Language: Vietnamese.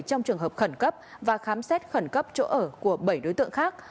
trong trường hợp khẩn cấp và khám xét khẩn cấp chỗ ở của bảy đối tượng khác